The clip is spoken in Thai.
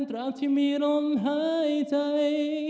ตราบที่มีลมหายใจ